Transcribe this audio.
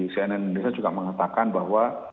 cnn indonesia juga mengatakan bahwa